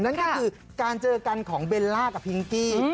นั่นก็คือการเจอกันของเบลล่ากับพิงกี้